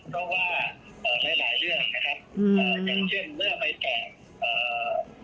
เพราะว่าในหลายเรื่องอย่างเช่นเมื่อไปแต่๑๑๒แล้ว